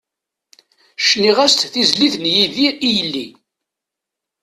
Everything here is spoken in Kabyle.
Cniɣ-as-d tizlit n Yidir i yelli.